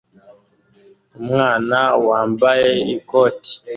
Umwana wambaye ikoti